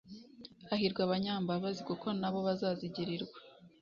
Hahirwa abanyambabazi kuko nabo bazazigirirwa